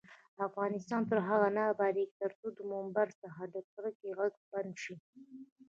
افغانستان تر هغو نه ابادیږي، ترڅو د ممبر څخه د کرکې غږ بند نشي.